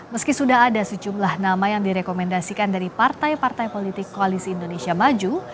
meski sudah ada sejumlah nama yang direkomendasikan dari partai partai politik koalisi indonesia maju